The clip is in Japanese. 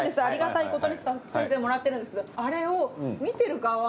ありがたいことにさせてもらってるんですけどあれを。